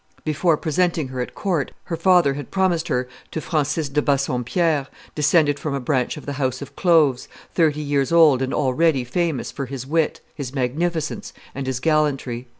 Before presenting her at court, her father had promised her to Francis de Bassompierre, descended from a branch of the house of Cloves, thirty years old, and already famous for his wit, his magnificence, and his gallantry.